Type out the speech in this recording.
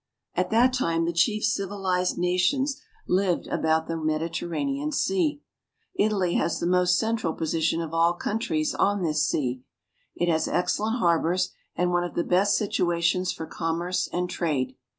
At that time the chief civilized nations lived about the Mediterranean Sea. Italy has the most central position of all countries on this sea. It has excellent harbors, and 412 ITALY. one of the best situations for commerce and trade.